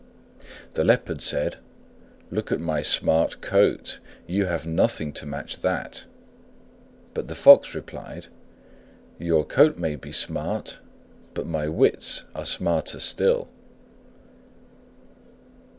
The Leopard said, "Look at my smart coat; you have nothing to match that." But the Fox replied, "Your coat may be smart, but my wits are smarter still."